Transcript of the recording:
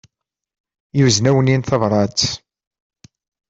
Yuzen-awen-in tabrat.